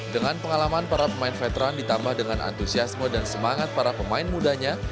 dengan pengalaman para pemain veteran ditambah dengan antusiasme dan semangat para pemain mudanya